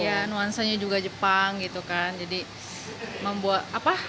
iya nuansanya juga jepang gitu kan jadi membuat apa